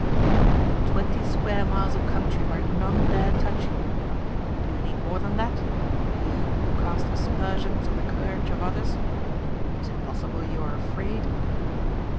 "There will be twenty square miles of country where none dare touch you. Do you need more than that, you, who cast aspersions on the courage of others? Is it possible you are afraid?"